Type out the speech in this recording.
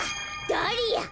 ダリア！